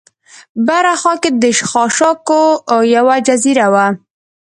بره خوا کې د خاشاکو یوه جزیره وه.